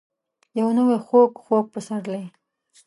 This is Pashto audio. یو نوی خوږ. خوږ پسرلی ،